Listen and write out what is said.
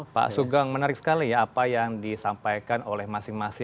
pak sugeng menarik sekali ya apa yang disampaikan oleh masing masing